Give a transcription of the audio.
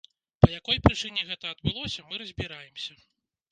Па якой прычыне гэта адбылося, мы разбіраемся.